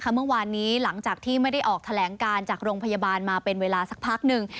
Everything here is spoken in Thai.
เมื่อวานนี้หลังจากที่ไม่ได้ออกแถลงการจากโรงพยาบาลมาเป็นเวลาสักพักหนึ่ง